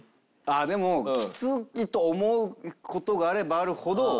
でもきついと思う事があればあるほどあ